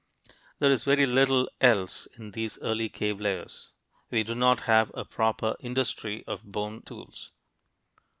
There is very little else in these early cave layers. We do not have a proper "industry" of bone tools.